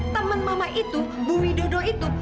teman mama itu bu widodo itu